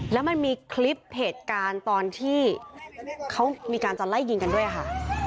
แล้วมันมีคลิปเหตุการณ์ตอนที่เขามีการจะไล่ยิงกันด้วยค่ะ